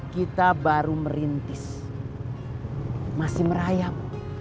kita baru merintis masih merayap